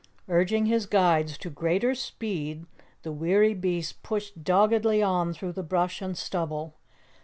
Urging his guides to greater speed, the weary beast pushed doggedly on through the brush and stubble.